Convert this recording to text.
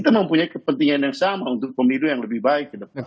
kita mempunyai kepentingan yang sama untuk pemilu yang lebih baik ke depan